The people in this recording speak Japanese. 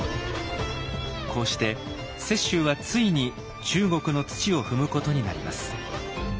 こうして雪舟はついに中国の土を踏むことになります。